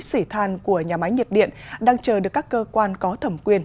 xỉ than của nhà máy nhiệt điện đang chờ được các cơ quan có thẩm quyền